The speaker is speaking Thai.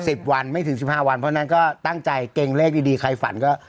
สิบวันไม่ถึงสิบห้าวันเพราะฉะนั้นก็ตั้งใจเกรงเลขดีดีใครฝันก็